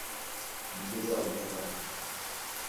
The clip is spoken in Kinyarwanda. ni bwo uzaba umuziranenge